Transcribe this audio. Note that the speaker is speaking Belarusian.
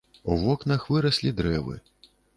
У вокнах выраслі дрэвы.